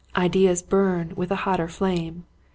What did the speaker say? Ideas burn with a hotter flame.